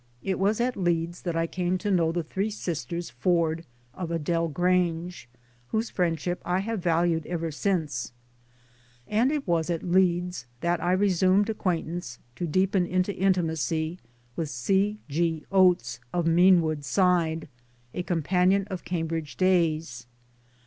It was at Leeds that I came to know the three sisters Ford of Adel Grange, whose friendship I have valued ever since ; and it was at Leeds that I resumed acquaintance, to deepen into intimacy, with C. G. Oates, of Meanwood Side a companion of Cam bridge days.